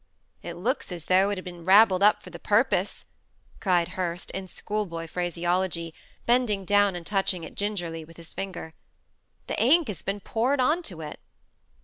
"It looks as though it had been rabbled up for the purpose," cried Hurst, in schoolboy phraseology, bending down and touching it gingerly with his finger. "The ink has been poured on to it."